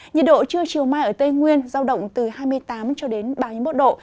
nhiệt độ trưa chiều mai ở tây nguyên giao động từ hai mươi tám cho đến ba mươi một độ